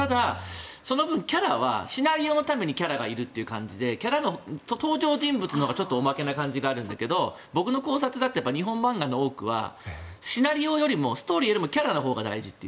その分キャラはシナリオのためにキャラがいるという感じで登場人物のほうがおまけな感じがするけど僕の考察だと日本漫画の多くはシナリオ、ストーリーよりもキャラが大事。